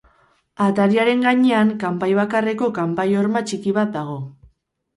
Atariaren gainean kanpai bakarreko kanpai-horma txiki bat dago.